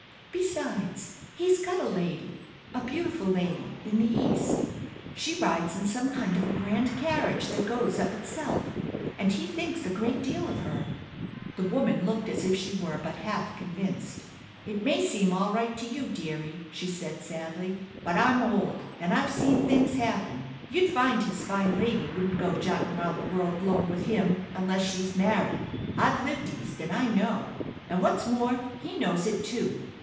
Besides, he's got a lady, a beautiful lady, in the East. She rides in some kind of a grand carriage that goes of itself, and he thinks a great deal of her." The woman looked as if she were but half convinced. "It may seem all right to you, dearie," she said sadly; "but I'm old, and I've seen things happen. You'd find his fine lady wouldn't go jantin' round the world 'lone with him unless she's married. I've lived East, and I know; and what's more, he knows it too.